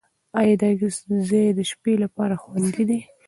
ایا دا ځای د شپې لپاره خوندي دی؟